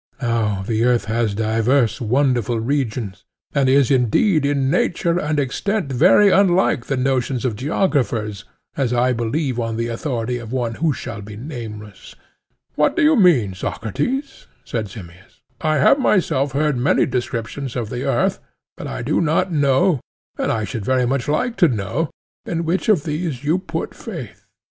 Now the earth has divers wonderful regions, and is indeed in nature and extent very unlike the notions of geographers, as I believe on the authority of one who shall be nameless. What do you mean, Socrates? said Simmias. I have myself heard many descriptions of the earth, but I do not know, and I should very much like to know, in which of these you put faith.